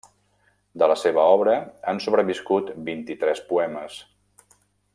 De la seva obra, han sobreviscut vint-i-tres poemes.